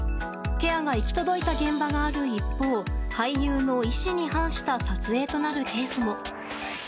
ケアが行き届いた現場がある一方俳優の意思に反した撮影となるケースも。